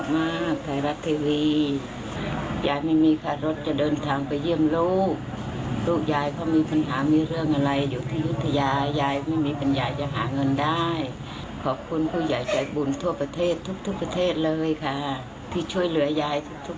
มีแต่ความสุขความเจริญทุกคนที่ช่วยยาย